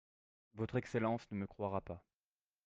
Votre Excellence ne me croira pas.